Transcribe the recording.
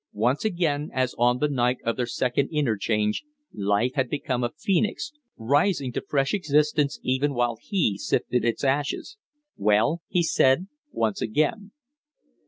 Once again, as on the night of their second interchange, life had become a phoenix, rising to fresh existence even while he sifted its ashes. "Well?" he said, once again.